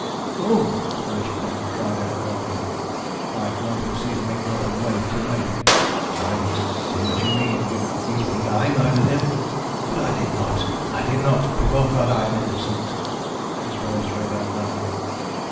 "Oh!" The wretched man cried out wildly, like one who sees an engulfing wave too late. "I see what you mean you think I murdered him. But I did not I did not! Before God I am innocent." His voice rang out loudly.